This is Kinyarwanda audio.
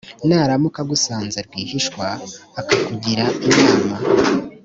naramuka agusanze rwihishwa akakugira inama